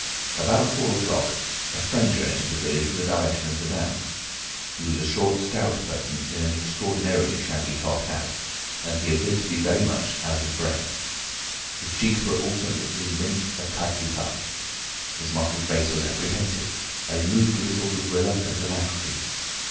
About four o'clock a stranger entered the village from the direction of the downs. He was a short, stout person in an extraordinarily shabby top hat, and he appeared to be very much out of breath. His cheeks were alternately limp and tightly puffed. His mottled face was apprehensive, and he moved with a sort of reluctant alacrity.